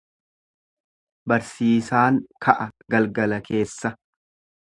Barsiisaan ka'a galgala keessa.